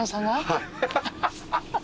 はい。